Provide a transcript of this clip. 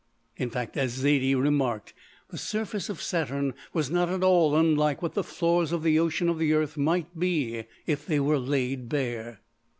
In fact, as Zaidie remarked, the surface of Saturn was not at all unlike what the floors of the ocean of the Earth might be if they were laid bare.